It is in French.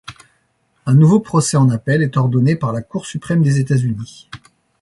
Un nouveau procès en appel est ordonné par la Cour suprême des États-Unis.